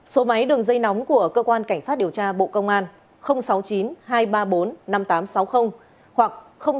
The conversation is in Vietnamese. số máy đường dây nóng của cơ quan cảnh sát điều tra bộ công an sáu mươi chín hai trăm ba mươi bốn năm nghìn tám trăm sáu mươi hoặc sáu mươi chín hai trăm ba mươi hai một nghìn sáu trăm